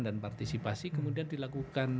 dan partisipasi kemudian dilakukan